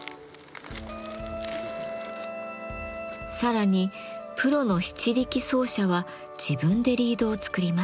さらにプロの篳篥奏者は自分でリードを作ります。